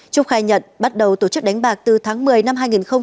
trúc khai nhận bắt đầu tổ chức đánh bạc từ tháng một mươi năm hai nghìn hai mươi ba